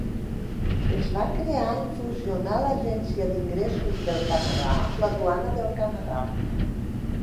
Es va crear en fusionar l'agència d'ingressos del Canadà amb la duana del Canadà.